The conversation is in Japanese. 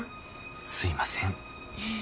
すいません。